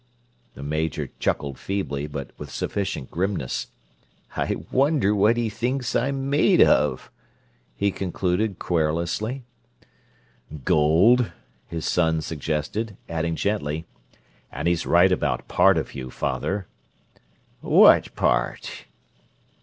The Major chuckled feebly, but with sufficient grimness. "I wonder what he thinks I'm made of," he concluded querulously. "Gold," his son suggested, adding gently, "And he's right about part of you, father." "What part?"